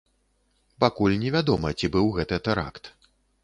Пакуль невядома, ці быў гэта тэракт.